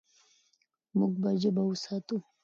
موږ به ژبه وساتو.